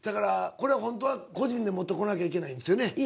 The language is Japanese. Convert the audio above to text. これホントは個人で持ってこなきゃいけないんですよね？